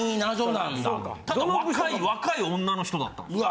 ただ若い女の人だったんですよ。